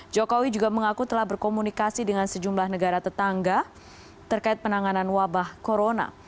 jokowi juga mengaku telah berkomunikasi dengan sejumlah negara tetangga terkait penanganan wabah corona